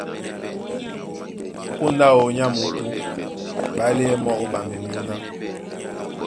Ó póndá áō nyá muútú, ɓá maléɛ́ mɔ́ ó ɓambɛ myǔná.